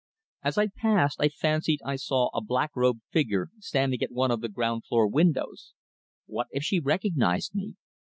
As I passed I fancied I saw a black robed figure standing at one of the ground floor windows. What if she recognised me?